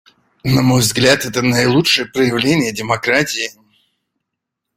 На мой взгляд, это наилучшее проявление демократии.